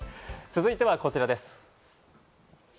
続いてはこちらです。